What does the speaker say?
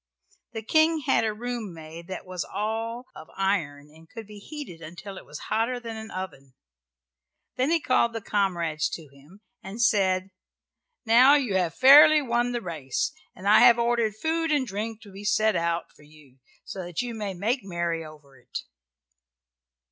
The King had a room made that was all of iron and could be heated until it was hotter than any oven. Then he called the comrades to him and said, "Now you have fairly won the race, and I have ordered food and drink to be set out for you, so that you may make merry over it."